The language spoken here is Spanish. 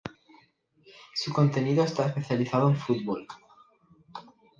Su contenido está especializado en fútbol.